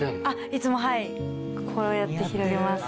いつもはいこうやって広げます。